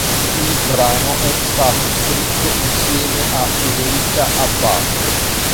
Il brano è stato scritto insieme a Federica Abbate.